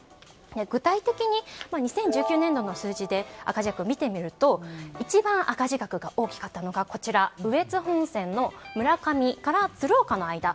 具体的に２０１９年度の数字で赤字額を見てみると一番赤字額が大きかったのが羽越本線の村上から鶴岡の間。